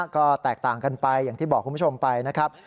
ก็แตกต่างกันไปอย่างที่บอกคุณผู้ชมไปนะครับ